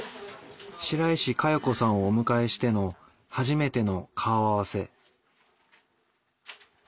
白石加代子さんをお迎えしての初めての顔合わせ。